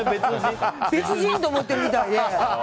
別人と思ってるみたいで。